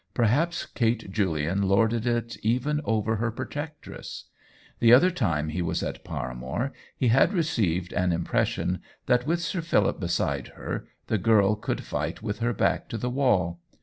Perhaps Kate Julian lorded it even over her protectress. The other time he was at Paramore he had received an im pression that, with Sir Philip beside her, the girl could fight with her back to the wall.